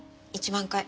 １万回。